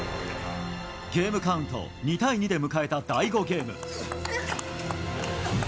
ゲームカウント２対２で迎えた第５ゲーム。